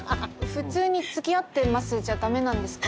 普通につきあってますじゃダメなんですか？